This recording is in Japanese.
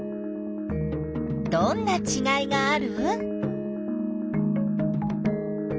どんなちがいがある？